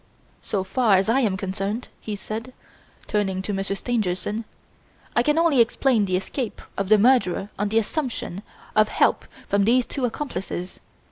So far as I am concerned," he said, turning to Monsieur Stangerson, "I can only explain the escape of the murderer on the assumption of help from these two accomplices.